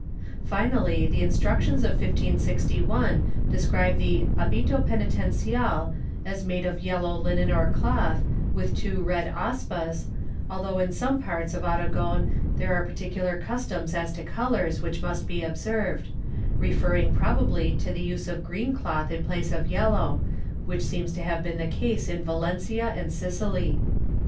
^ Finally the Instructions of 1561 describe the abito penitencial as made of yellow Hnen or cloth, with two red aspas, although in some parts of Aragon there are particular customs as to colors which must be observed — referring probably to the use of green cloth in place of yellow, which seems to have been the case in Valencia and Sicily.